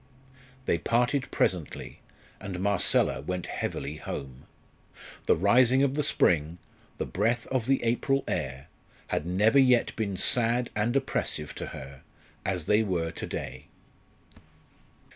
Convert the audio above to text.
They parted presently, and Marcella went heavily home. The rising of the spring, the breath of the April air, had never yet been sad and oppressive to her as they were to day.